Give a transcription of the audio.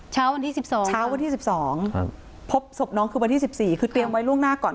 เช้าวันที่๑๒พบศพน้องคือวันที่๑๔คือเตรียมไว้ล่วงหน้าก่อน